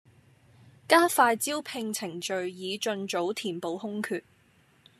加快招聘程序以盡早填補空缺